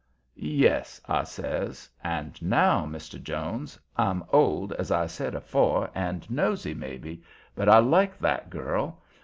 "Yes," I says. "And now, Mr. Jones, I'm old, as I said afore, and nosey maybe, but I like that girl.